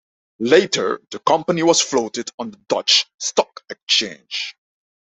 Later the company was floated on the Dutch stock exchange.